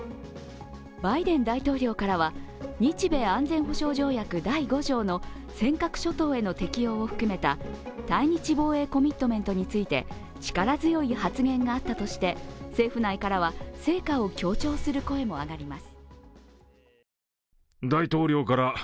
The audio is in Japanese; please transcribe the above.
バイデン大統領からは、日米安全保障条約第５条の尖閣諸島への適用を含めた対日防衛コミットメントについて力強い発言があったとして政府内からは成果を強調する声も上がります。